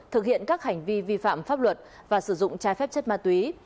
thực hiện các hành vi vi phạm pháp luật và sử dụng trái phép chất ma túy